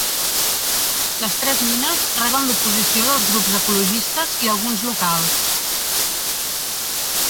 Les tres mines reben l'oposició dels grups ecologistes i alguns locals.